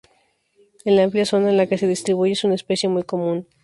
En la amplia zona en la que se distribuye es una especie muy común.